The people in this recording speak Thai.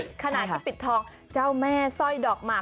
ปิดขนาดที่ปิดทองค์เจ้าแม่สร้อยดอกมา